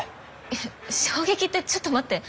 衝撃ってちょっと待って。